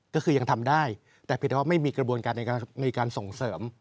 ก็คือยังทำได้แต่ผิดว่าไม่มีกระบวนในการส่งเสริม